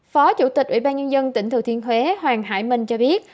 phó chủ tịch ủy ban nhân dân tỉnh thừa thiên huế hoàng hải minh cho biết